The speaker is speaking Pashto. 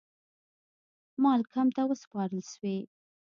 مالکم ته وسپارل سوې.